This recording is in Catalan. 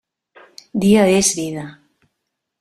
Dia és vida.